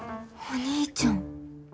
お兄ちゃん。